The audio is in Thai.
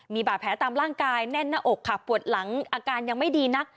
มีบาดแผลตามร่างกายแน่นหน้าอกค่ะปวดหลังอาการยังไม่ดีนัก